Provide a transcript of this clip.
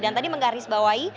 dan tadi menggarisbawahi